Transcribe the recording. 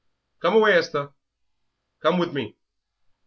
Come away, Esther, come with me.